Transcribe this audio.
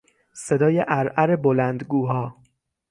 صدای عرعر بلندگوها